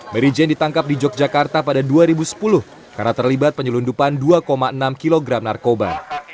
mary jane ditangkap di yogyakarta pada dua ribu sepuluh karena terlibat penyelundupan dua enam kg narkoba